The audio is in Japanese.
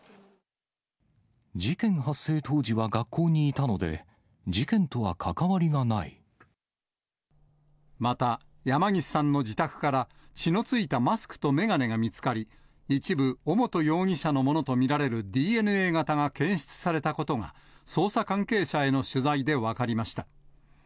事件発生当時は学校にいたので、また、山岸さんの自宅から血のついたマスクと眼鏡が見つかり、一部、尾本容疑者のものと見られるＤＮＡ型が検出されたことが、捜査関係者への取材で分かりました。